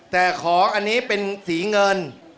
แต่ของอันนี้เป็นสีเงิน